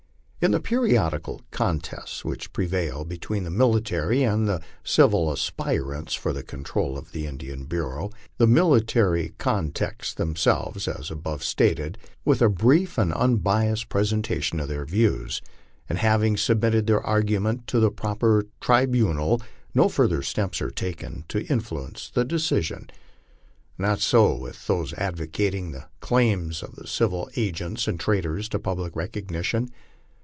In the periodical contests which prevail between the military and civil aspirants for the control of the Indian Bureau, the mili tary content themselves as above stated with a brief and unbiassed presenta tion of their views, and having submitted their argument to the proper tribu nal, no further steps are taken to influence the decision. Not so with those advocating the claims of the civil agents and traders to public recognition.